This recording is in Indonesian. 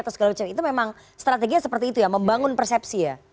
atau segala macam itu memang strateginya seperti itu ya membangun persepsi ya